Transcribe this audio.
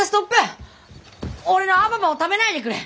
俺のアババを食べないでくれ！